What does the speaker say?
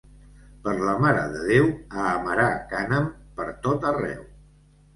Per la Mare de Déu, a amarar cànem pertot arreu.